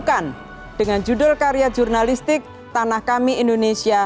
salman amin dari radio republik indonesia atau rri news